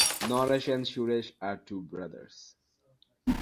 নরেশ আর সুরেশ দুই ভাই।